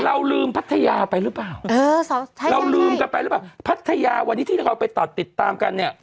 เราลืมพัทยาไปหรือเปล่าพัทยาวันนี้ที่เราไปติดตามกันเนี่ย